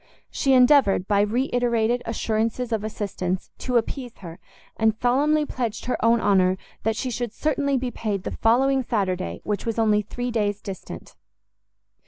She endeavoured, by re iterated assurances of assistance, to appease her, and solemnly pledged her own honour that she should certainly be paid the following Saturday, which was only three days distant.